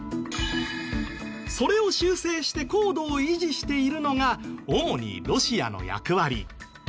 それを修正して高度を維持しているのが主にロシアの役割。